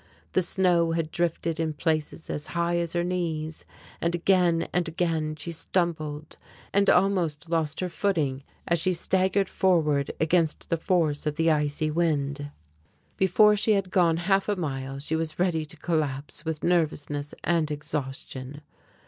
The snow had drifted in places as high as her knees, and again and again she stumbled and almost lost her footing as she staggered forward against the force of the icy wind. Before she had gone half a mile she was ready to collapse with nervousness and exhaustion.